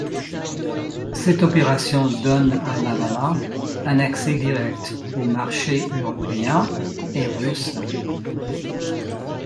Cette opération donne à Lavalin un accès direct aux marchés européens et russes.